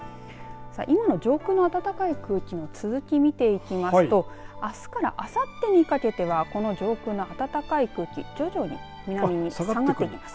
今の上空の暖かい空気の続き見ていきますとあすからあさってにかけてはこの上空の暖かい空気徐々に南に下がっていきます。